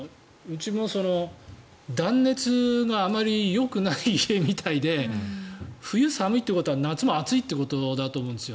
うちも断熱があまりよくない家みたいで冬、寒いということは夏も暑いということだと思うんです。